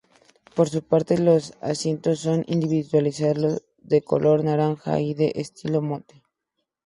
Por su parte, los asientos son individualizados, de color naranja y de estilo "Motte".